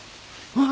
あっ！